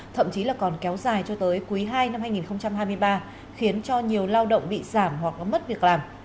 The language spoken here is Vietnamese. thậm chí là còn kéo dài cho tới quý ii năm hai nghìn hai mươi ba khiến cho nhiều lao động bị giảm hoặc mất việc làm